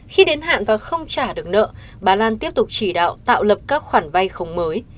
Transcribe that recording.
khi đến hạn và không trả được nợ bà lan tiếp tục chỉ đạo tạo lập các khoản vay không mới